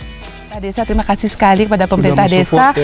pemerintah desa terima kasih sekali kepada pemerintah desa